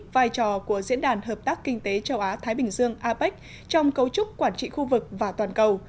vai trò của diễn đàn hợp tác kinh tế châu á thái bình dương apec trong cấu trúc quản trị khu vực và toàn cầu